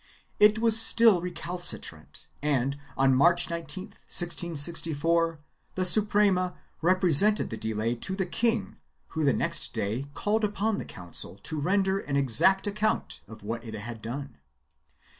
It was still recalcitrant and, on March 19, 1664, the Suprema represented the delay to the king who the next day called upon the council to render an exact account of what it had done.